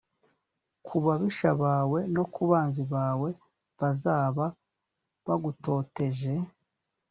ku babisha bawe no ku banzi bawe bazaba bagutoteje.